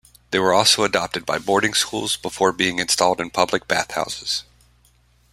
They were also adopted by boarding schools, before being installed in public bathhouses.